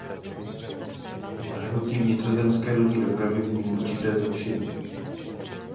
V zahrnutí vnitrozemské lodní dopravy vidím určité zlepšení.